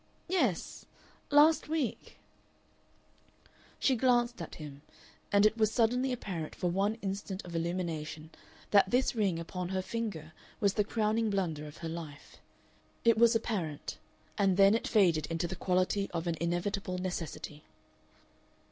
"Yes. Last week." She glanced at him, and it was suddenly apparent for one instant of illumination that this ring upon her finger was the crowning blunder of her life. It was apparent, and then it faded into the quality of an inevitable necessity.